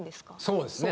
そうですね。